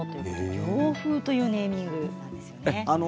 涼風というネーミングなんですよね。